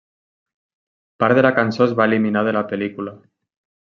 Part de la cançó es va eliminar de la pel·lícula.